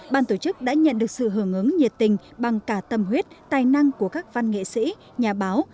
ban tổ chức đã nhận được sự hưởng ứng nhiệt tình bằng cả tâm huyết tài năng của các văn nghệ sĩ nhà báo